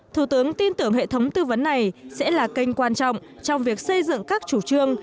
thủ tướng tin tưởng hệ thống tư vấn này sẽ là kênh quan trọng trong việc xây dựng các chủ trương